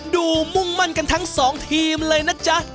มุ่งมั่นกันทั้งสองทีมเลยนะจ๊ะ